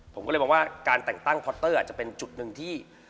ผมก็เลยมองว่าการแต่งตั้งพอตเตอร์อาจจะเป็นจุดหนึ่งที่